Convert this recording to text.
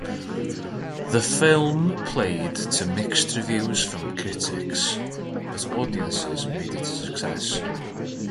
The film played to mixed reviews from critics, but audiences made it a success.